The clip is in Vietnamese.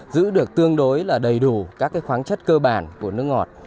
giữ được tương đối là đầy đủ các khoáng chất cơ bản của nước ngọt